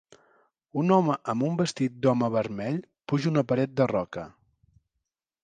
Un home amb un vestit d'home vermell puja una paret de roca